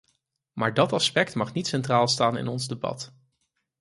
Maar dat aspect mag niet centraal staan in ons debat.